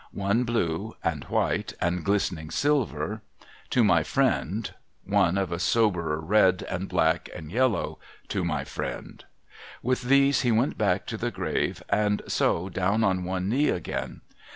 One, blue and white and glistening silver, ' To my friend ;' one of a soberer red and black and yellow, ' To my friend.' With these he went back to the grave, and so down on one knee again.